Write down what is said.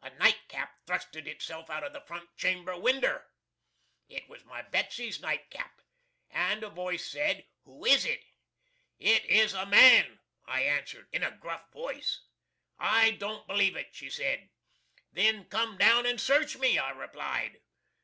A nightcap thrusted itself out of the front chamber winder. (It was my Betsy's nightcap.) And a voice said: "Who is it?" "It is a Man!" I answered, in a gruff vois. "I don't b'lieve it!" she sed. "Then come down and search me," I replied.